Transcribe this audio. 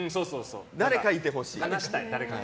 誰かいてほしい。